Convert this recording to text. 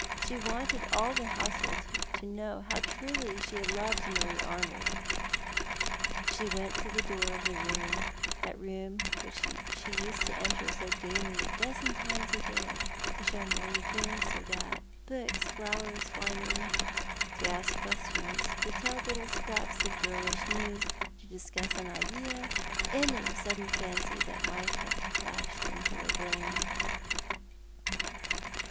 She wanted all the household to know how truly she had loved Marie Arnold. She went to the door of the room — that room which she used to enter so gaily a dozen times a day — to show Marie this or that — books, flowers, finery — to ask questions, to tell little scraps of girlish news, to discuss an idea, any sudden fancy that had flashed into her brain.